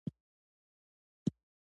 څلویښتم لمونځ وروسته مکې ته سفر پیل کړ.